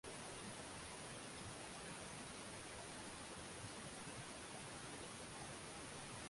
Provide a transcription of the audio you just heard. na majangwa na ardhi iliyomomonyoka vumbi linalopigwa na upepo